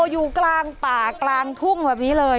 อยู่กลางป่ากลางทุ่งแบบนี้เลย